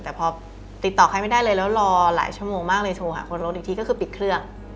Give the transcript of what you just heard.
แต่พอติดต่อใครไม่ได้เลยแล้วรอหลายชั่วโมงมากเลยโทรหาคนรถอีกทีก็คือปิดเครื่อง